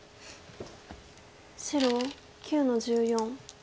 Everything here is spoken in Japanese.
白９の十四。